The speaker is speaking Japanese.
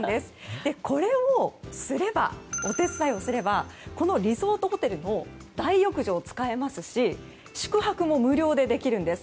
このお手伝いをすればこのリゾートホテルの大浴場を使えますし宿泊も無料でできるんです。